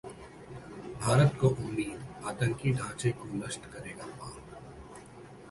भारत को उम्मीद, आतंकी ढ़ांचे को नष्ट करेगा पाक